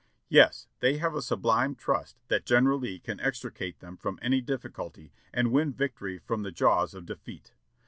"Yes ! they have a sublime trust that General Lee can extricate them from any difficulty and win victory from the jaws of defeat.